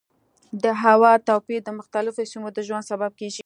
د هوا توپیر د مختلفو سیمو د ژوند سبب کېږي.